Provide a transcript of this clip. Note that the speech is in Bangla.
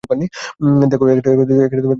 দেখো কে এসেছে।